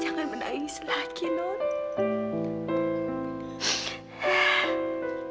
jangan menangis lagi loh